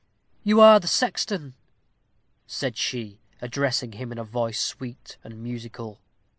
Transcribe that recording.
"You are the sexton," said she, addressing him in a voice sweet and musical.